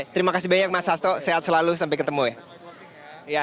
terima kasih banyak mas asto sehat selalu sampai ketemu ya